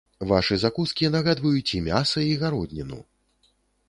Вашы закускі нагадваюць і мяса і гародніну.